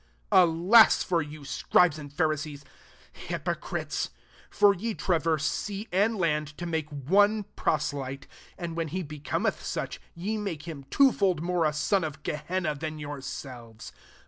15 Alas for you, Scribes and Pharisees, hypo crites 1 for ye traverse sea and land to make one proselyte J and when he becometh auchy yi make him twofold more a son of Gehenna than yourselves.